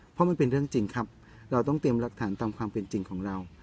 เพราะมันเป็นเรื่องจริงครับเราต้องเตรียมรักฐานตามความเป็นจริงของเรา